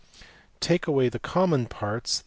Take away the common parts .